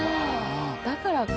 だからか。